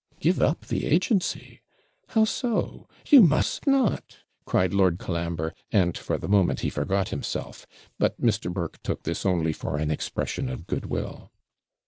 'Give up the agency! How so? you must not,' cried Lord Colambre, and, for the moment, he forgot himself; but Mr. Burke took this only for an expression of good will.